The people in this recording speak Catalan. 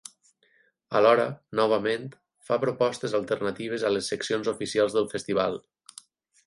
Alhora, novament, fa propostes alternatives a les seccions oficials del festival.